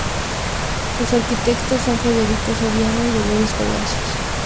Sus arquitectos son Federico Soriano y Dolores Palacios.